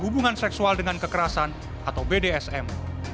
hubungan seksual dengan kekerasan atau bdsm